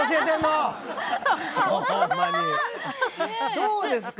どうですか？